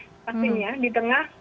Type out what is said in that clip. pastinya di tengah